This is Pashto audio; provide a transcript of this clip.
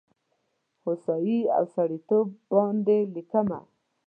هوسايي او سړیتوب باندې لیکمه